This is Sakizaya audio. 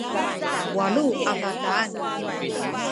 walu a bataan